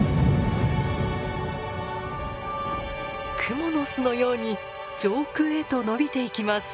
クモの巣のように上空へと伸びていきます。